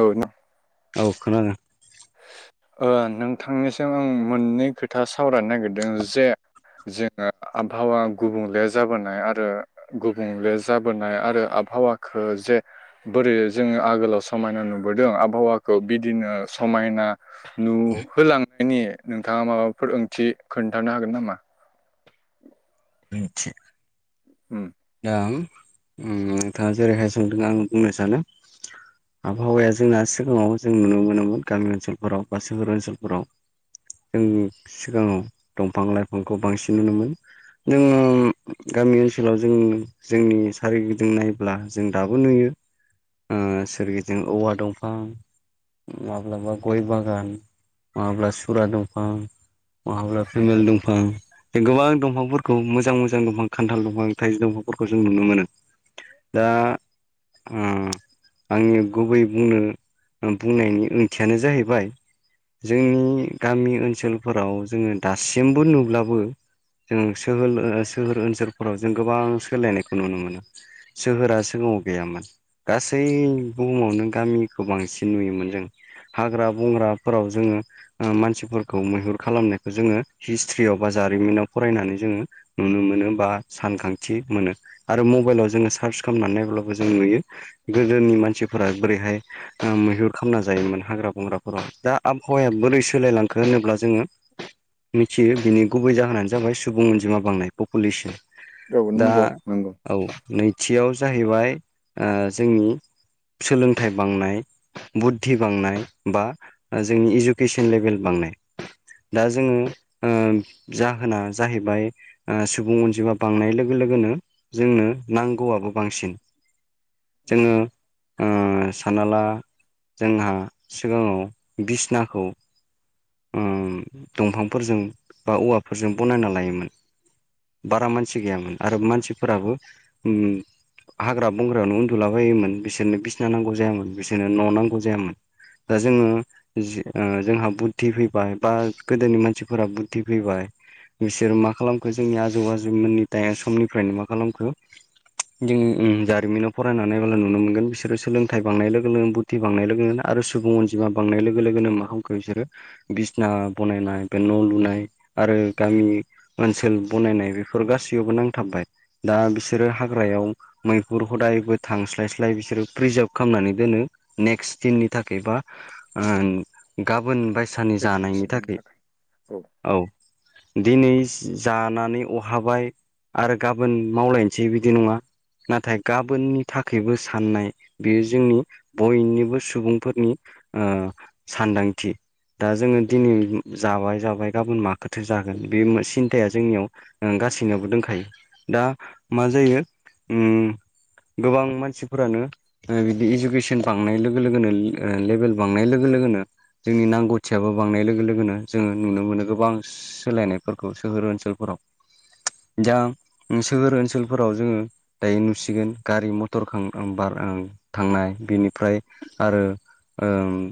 औ नो औ खोनादों ओ नोंथांनिसिम आं मोननै खोथा सावरायनो नागिरदों जे जोङो आबहावा गुबुंले जाबोनाय आरो गुबुंले जाबोनाय आरो आबहावाखो जे बोरै जोङो आगोलाव समायना नुबोदों आबहावाखौ बिदिनो समायना नुहोलांनायनि नोंथाङा माबाफोर ओंथि खोन्थानो हागोन नामा? [unintelligible] थि उम। दा नोंथाङा जेरैहाय सोंदों आं बुंनो सानो। आबहावाया जोंना सिगाङाव जों नुनो मोनोमोन गामि ओनसोलफोराव बा सोहोर ओनसोलफोराव। जोंनि सिगाङाव दंफां लाइफांखौ बांसिन नुनो मोन। दौङो गामि ओनसोलाव जों जोंनि सोरगिदिं नायोब्ला जों दाबो नुयो। सोरगिदिं औवा दंफां, माब्लाबा गय बागान, माब्ला सुरा दंफां, महाब्ला फेमेल दंफां बे गोबां दंफांफोरखौ मोजां मोजां दंफां खान्थाल दंफां थाइजि दंफांफोरखौ जों नुनो मोनो। दा ओ आंनि गुबै बुंनो बुंनायनि ओंथियानो जाहैबाय जोंनि गामि ओनसोलफोराव जोङो दासिमबो नुब्लाबो जों सोहोल ओ सोहोर ओनसोलफोराव जों गोबां सोलायनायखौ नुनो मोनो। सोहोरा सिगाङाव गैयामोन गासै बुहुमावनो गामिखौ बांसिन नुयोमोन जों। हाग्रा बंग्राफोराव जोङो मानसिफोरखौ मैहुर खालामनायखौ जोङो हिस्ट्रियाव बा जारिमिनाव फरायनानै जोङो नुनो मोनोबा सानखांथि मोनो आरो मबाइलाव जोङो सार्च खालामनानै नायब्लाबो जों नुयो गोदोनि मानसिफोरा बोरैहाय मैहुर खालामना जायोमोन हाग्रा बंग्राफोराव दा आबहावाया बोरै सोलायलांखो होनोब्ला जोङो [inaudible] मिथियो बिनि गुबै जाहोनानो जाबाय सुबुं अनजिमा बांनाय पपुलेसन। औ दा नंग' नंगौ। औ नैथियाव जाहैबाय जोंनि सोलोंथाइ बांनाय। बुद्धि बांनाय बा जोंनि इजुकेसन लेभेल बांनाय। दा जोङो जाहोना जाहैबाय सुबुं अनजिमा बांनाय लोगो लोगोनो जोंनो नांगौआबो बांसिन। उम जोङो ओ सानना ला जोंहा सिगाङाव बिसनाखौ दंफांफोरजों बा औवाफोरजों बनायना लायोमोन। बारा मानसि गैयामोन आरो मानसिफोराबो उम हाग्रा बंग्रायावनो उन्दुलाबायोमोन बिसोरनो बिसिना नांगौ जायामोन बिसोरनो न' नांगौ जायामोन। दा जोङो जोंहा बुद्धि फैबाय बा गोदोनि मानसिफोरा बुद्धि फैबाय। बिसोर मा खालामखो जोंनि आजौ आजैमोननि समनिफ्रायनो मा खालामखो दिं जारिमिनाव फरायनानै बोला नुनो मोनगोन बिसोरो सोलोंथाइ बांनाय लोगो लोगो बु ध्दि बांनाय लोगो लोगोनो आरो सुबुं अनजिमा बांनाय लोगो लोगोनो मा खालामखो बिसोरो बिसना बनायनाय बे न' लुनाय आरो गामिनि ओनसोल बनायनाय बेफोर गासैयावबो नांथाबबाय दा बिसोरो हाग्रायाव मैहुर हदायबो थांस्लाय स्लाय बिसोरो प्रिजार्भ खालामनानै दोनो। नेक्स्ट दिननि थाखाय बा ओ गाबोन बायसानि जानायनि थाखाय। औ दिनै जानानै अहाबाय आरो गाबोन मावलायनोसै बिदि नङा। नाथाय गाबोननि थाखायबो साननाय बेयो जोंनि बयनिब सुबुंफोरनि सानदांथि दा जोङो दिनै जाबाय जाबाय गाबोन माखोथो जागोन बे सिन्थाया जोंनियाव गासैनिआवबो दों दा मा जायो उम गोबां मानसिफोरानो बिदि इजुकेसन बांनाय लोगो लोगोनो लेबेल बांनाय लोगो लोगोनो जोंनि नांगौथियाबो बांनाय लोगो लोगोनो जोंङो नुनो मोनो गोबां। सोलायनायफोरखौ सोहोर ओनसोलफोराव। दा सोहोर ओनसोलफोराव जोंङो। दायो नुसिगोन गारि मटर थांनाय बेनिफ्राय आरो। ओम।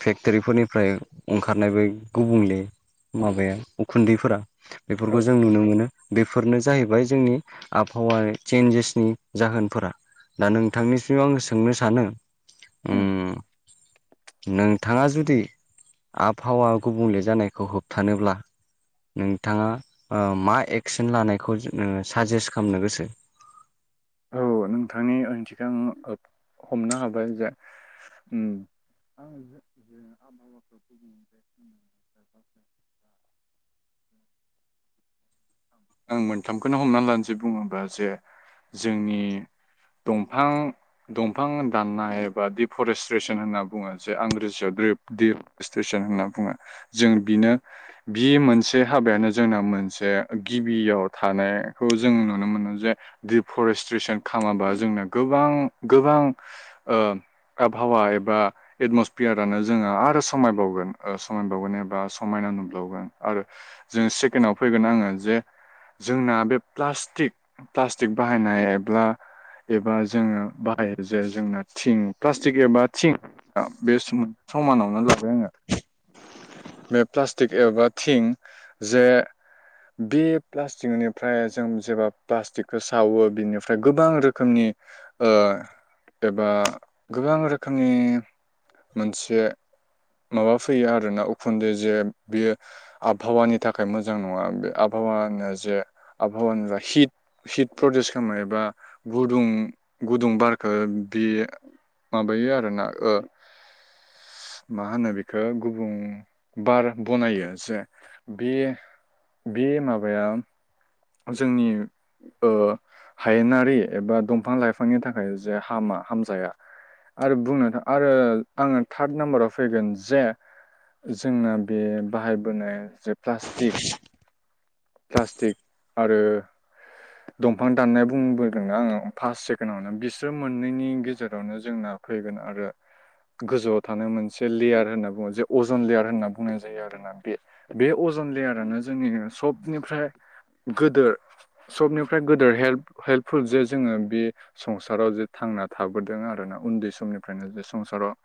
फेक्ट'रिफोरनिफ्राय ओंखारनाय बे गुबुंले माबाया उखुन्दैफोरा। औ बेफोरखौ जों नुनो मोनो। बेफोरनो जाहैबाय जोंनि आबहावा चेन्जेसनि जाहोनफोरा। दा नोंथांनिसिमाव आं सोंनो सानो उम नोंथाङा जुदि। आबहावा गुबुंले जानायखौ होबथानोब्ला। नोंथाङा मा एक्सन लानायखौ साजेस्ट खालामनो गोसो। औ नोंथांनि ओंथिखौ आं हमनो हाबाय जे। आव जे आबहावाफ्राव गुबुले। ! [inaudible] आं मोनथामखौनो हमना लानोसै बुङोबा जे। जोंनि दंफां। दंफां दाननाय एबा दिडिफ'रेस्ट्रेसन होनना बुङो जे आं रेजियाव्रि दिप। स्टुेसन होनना बुङो जों बिनो। बे मोनसे हाबायानो जोंना मोनसे गिबियाव थानायखौ जों नुनो मोनो जे। दिफरेस्ट्रेसन खालामाबा जोंनो गोबां गोबां। आबहावा एबा। एटमसफियारानो जोंङो आरो समायबावगोन एबा समायना नुबावगोन आरो। जों सेकेणडआव फैगोन आङो जे जोंना बे प्लास्टिक प्लास्टिक। बाहायनाय एब्ला। एबा जोंङो बाहेर जे जोंना थिं प्लास्टिक एबा थिं। बे समानावनो लाबाय आङो। बे प्लास्टिक एबा थिं जे। बे प्लास्टिकनिफ्राय जों जेब्ला प्लास्टिकखौ। सावो बिनिफ्राय गोबां रोखोमनि। बा गोबां रोखोमनि मोनसे। माबा फैयो आरोना उखुन्दे जे बियो। आबहावानि थाखाय मोजां नङा बे आबहावानि जे आबहावानि हिट। प्रदिउस खालामनायबा गुदुं गुदुं बारखौ बे। माबायो आर ना। मा होनो बेखौ गुबुं बार बनायो जे बे। बे माबाया। जोंनि। हायेनारि एबा दंफां लाइफांनि थाखाय जे हामा हामजाया। आरो बुंनो आरो आङो थाट नाम्बाराव फैगोन जे। जोंना बे बाहायबोनाय जे प्लास्टिक प्लासटिक। आरो। दंफां दाननाय बुंबोदोंना आङो फार्स्ट सेकेडआवनो बिसोर मोननैनि गेजेरावनो जोंना। फैगोन आरो। गोजौआव थानो मोनसे लेयार होनना बुङो जे अजन लेयार होनना बुंनाय जायो आरोना बे। बे अजन लेयारानो जोंनि सबनिफ्राय। गोदोर सबनिफ्राय गोदोर हेल्प हेल्पफुल जे जोंङो बे संसाराव जे थांना थाबोदों आर ना उन्दै समनिफ्रायनो बे संसाराव।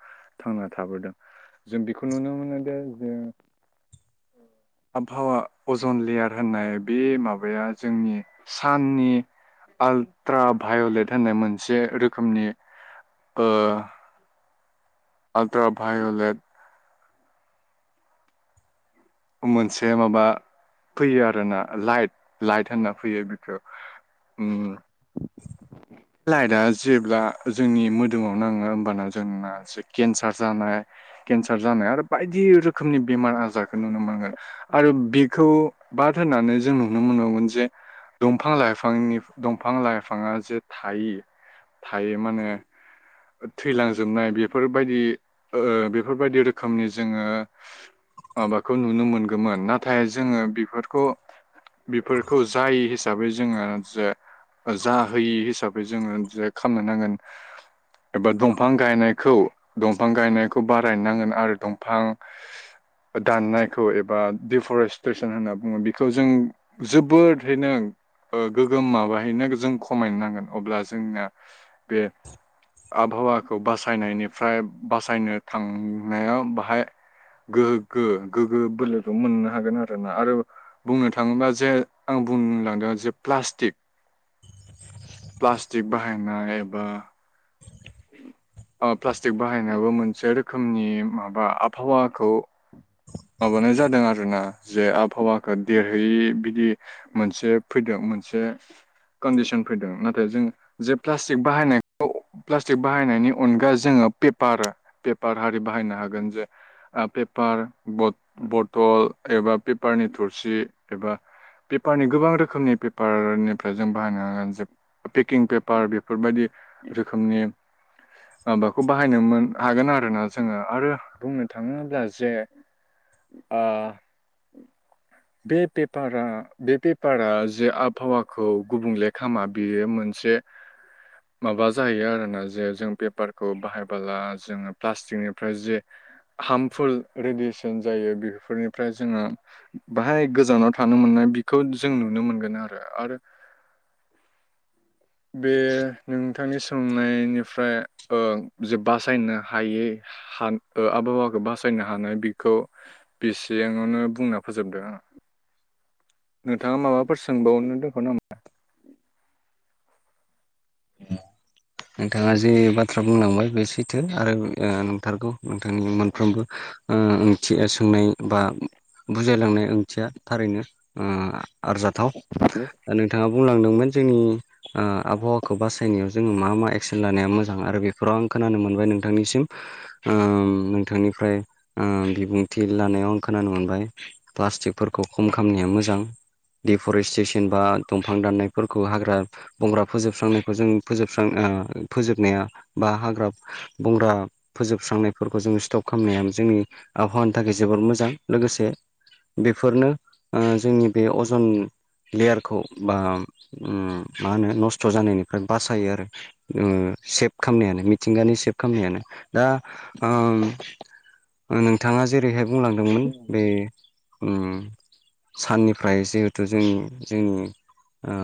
थांना थाबोदों जों बेखौ नुनो मोनो दे जे। आबहावा अजन लेयार होननाय बे मा माबाया जोंनि साननि आल्ट्रा भायलेट होननाय मोनसे रोखोमनि ओ आल्ट्रा भायलेट मोनसे माबा फैयो आरोना लाइट लाइट होनना फैयो बिखौ उम [inaudible] लाइटआ जेब्ला जोंनि मोदोमाव नाङो होमबाना जोंना केन्सार जानाय केन्सार जानाय आरो बायदि रोखोमनि बेमार आजार खौ नुनो मोनगोन आरो बेखौ बाद होननानै जों नुनो मोनबावगोन जे दंफां लाइफांनि दंफां लाइफाङा जे थायो थायो माने थैलांजोबनाय बेफोरबायदि ओ बेफोरबायदि रोखोमनि जोङो माबाखौ नुनो मोनगौमोन नाथाय जोङो बेफोरखौ बेफोरखौ जाय हिसाबै जोङो जे जाहोयि हिसाबै जोङो जे खामनो नांगोन। एबा दंफां गायनायखौ दंफां गायनायखौ बाराय नांगोन आरो दंफां दाननायखौ एबा दिफ'रेस्ट्रेसन होनना बुङो बेखौ जों जोबोदहैनो ओ गोगोम माबाहैनो जों खमायनो नांगोन अब्ला जोंनिया बे आबहावाखौ बासायनायनिफ्राय बासायनो थांनायाव बाहाय गोगो गोगो बोलोखौ मोननो हागोन आरोना आरो बुंनो थाङोबा जे आं बुंलांदों जे प्लास्टिक प्लासटिक बाहायनाय एबा ओ प्लास्टिक बाहायनायाबो मोनसे रोखोमनि माबा आबहावाखौ माबानाय जादों आरोना जे आबहावाखौ देरहोयि बिदि मोनसे फैदों मोनसे कन्दिसन फैदों नाथाय जों जे प्लास्टिक बाहायनायखौ प्लास्टिक बाहायनायनि अनगा जोङो पेपार पेपार आरि बाहायनो हागोन जों। ओ पेपार ब बथल एबा पेपारनि थुरसि एबा पेपारनि गोबां रोखोमनि पेपारनिफ्राय जों बाहायनो हागोन जे पेकिं पेपार बेफोरबायदि खोमनि माबाखौ बाहायनो मोन हागोन आरोना जोङो आरो बुंनो थाङोब्ला जे ओ बे पेपारा बे पेपारा जे आबहावाखौ गुबुंले खामा बेयो मोनसे माबाज जायो आरोना जे जों पेपारखौ बाहायबोला जोङो प्लास्टिकनिफ्राय जे हार्मफुल रेडियेसन जायो बेफोरनिफ्राय जोङो बाहाय गोजानाव थानो मोननाय बेखौ जों नुनो मोनगोन आरो आरो बे नोंथांनि सोंनायनिफ्राय ओ जे बासायनो हायै हा आबहावाखौ बासायनो हानो बेखौ बेसेयांआवनो बुंना फोजोबदों आं। नोंथाङा माबाफोर सोंबावनो दोंबाव नामा? नोंथाङा जे बाथ्रा बुंलांबाय बे सैथो आरो ओ नोंथारगौ नोंथांनि मोनफ्रोमबो ओ ओंथिया सोंनाय बा बुजायलांनाय ओंथिया थारैनो उम आरजाथाव। [unintelligible] ओ नोंथाङा बुंलांदोंमोन जोंनि ओ आबहावाखौ बासायनायाव जोङो मा मा एक्सेन लानाया मोजां आरो बेफोराव आं खोनानो मोनबाय नोंथांनिसिम ओम नोंथांनिफ्राय ओ बिबुंथि लानायाव आं खोनानो मोनबाय प्लास्टिकफोरखौ खम खामनाया मोजां। दिफरेस्टेसन बा दंफां दाननायफोरखौ हाग्रा बंग्रा फोजोबस्रांनायखौ जों फोजोबस्रां ओ फोजोबनाया बा हाग्रा बंग्रा फोजोबस्रांनायफोरखौ जोङो स्टप खालामनाया जोंनि आबहावानि थाखाय जोबोर मोजां। लोगोसे बेफोरनो ओ जोंनि बे अजन लेयारखौ बा ओम मा होनो नस्थ' जानायनिफ्राय बासायो आरो, ओ सेभ खालामनायानो मिथिंगानि सेभ खालामामनायानो। दा ओम नोंथाङा जेरैहाय बुंलांदोंमोन बे उम साननिफ्राय जिहेथु जोंनि जोंनि ओ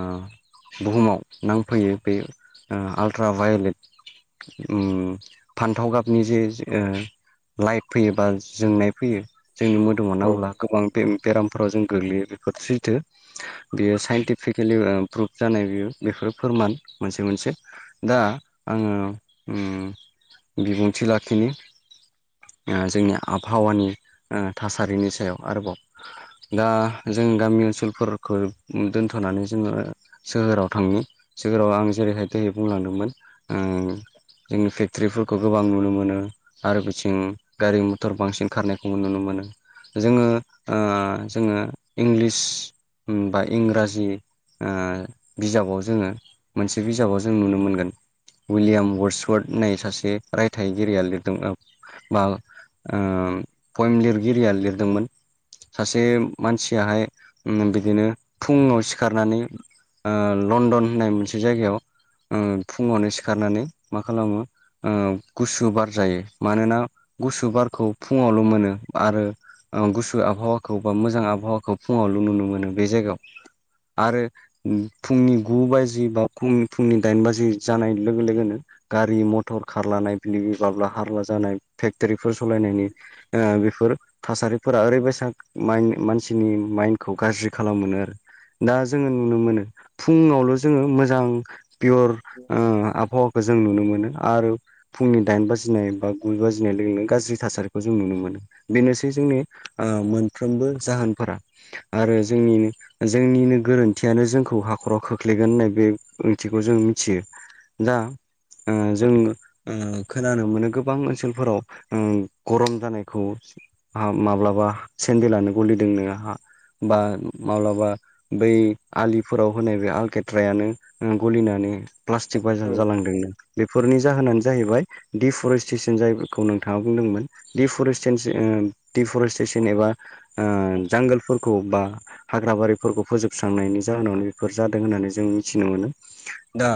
बुहुमाव नांफैयो बे ओ आल्ट्रा भायलेट ओम फान्थाव गाबनि जे ओ लाइट फैयो बा जोंनाय फैयो जोंनि मोदोमाव औ नांब्ला गोबां बे बेरामफोराव जों गोग्लैयो बेफोर सैथो। बेयो साइन्टिफिकेलि प्रुभ जानाय बि बेफोरो फोरमान मोनसे मोनसे। दा आङो ओम बिबुंथि लाखिनि ओ जोंनि आबहावानि ओ थासारिनि सायाव आरोबाव। दा जों गामि ओनसोलफोरखौ दोनथ'नानै जोङो सोहोराव थांनि सोहोराव आं जेरैहाय दै बुंलांदोंमोन ओ जोंनि फेक्टर्रिफोरखौ गोबां नुनो मोनो। आरो बिथिं गारि मथर बांसिन खारनायखौबो नुनो मोनो। जोङो ओ जोङो इंलिस बा इंराजि ओ बिजाबाव जोङो मोनसे बिजाबाव जों नुनो मोनगोन। उइलियाम वर्सवर्ड होननाय सासे रायथाइगिरिया लिरदों औ। ओ ओ पयम लिरगिरिया लिरदोंमोन सासे मानसियाहाय बिदिनो फुङाव सिखारनानै ओ लण्डन होननाय मोनसे जायगायाव ओ फुङावनो सिखारनानै मा खालामो? ओ गुसु बार जायो मानोना गुसु बारखौ फुङावल' मोनो आरो ओ गुसु आबहावाखौ बा मोजां आबहावाखौ फुङावल' नुनो मोनो बे जायगायाव। आरो फुंनि गु बाजि बा फुंनि फुंनि दाइन बाजि जानाय लोगो लोगोनो गारि मथर खारलानाय बिब्लि बाब्ला हारला जानाय फेक्ट'रिफोर सालायनायनि ओ बेफोर थासारिफोरा ओरैबायसा माइन्ड मानसिनि माइन्डखौ गाज्रि खालामोनो। दा जोङो नुनो मोनो फुङावल' जोङो मोजां पियर आबहावाखौ जों नुनो मोनो। आरो फुंनि दाइन बाजिनाय बा गुइ बाजिनाय लोगोोन लोगो गाज्रि थासारिखौ जों नुनो मोनो। बेनोसै जोंनि ओ मोनफ्रोमबो जाहोनफोरा। आरो जोंनिनो जोंनिनो गोरोन्थियानो जोंखौ हाखराव खोख्लैगोन होननाय बे ओ ओंथिखौ जों मिथियो दा ओ जों ओ खोनानो मोनो गोबां ओनसोलफोराव ओ गरम जानायखौ। ओ माब्लाबा सेन्देलानो गलिदों नो आंहा बा माब्लाबा बै आलिफोराव होनाय बे आलकेट्रायानो गलिनानै प्लास्टिक बाइसा औ जालांदोंनो। बेफोरनि जाहोनानो जाहैबाय दिफरेस्टेसन जायखौ नोंथाङा बुंदोंमोन। दिफरसतेनस ओ डफरेस्टेसन एबा ओ जांगोलफोरखौ बा हाग्रा बारिफोरखौ फोजोबस्रांनायनि जाहोनावनो बेफोर जादों होननानै जों मिथिनो मोनो। दा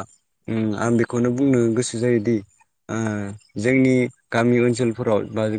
उम आं बेखौनो बुंनो गोसो जायोदि ओ जोंनि गामि ओनसोलफोराव बा